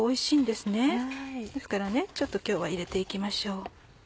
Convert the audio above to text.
ですからちょっと今日は入れて行きましょう。